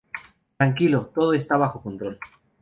Tranquilo. Todo está bajo control.